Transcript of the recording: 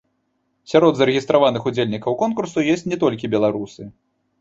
Сярод зарэгістраваных удзельнікаў конкурсу ёсць не толькі беларусы.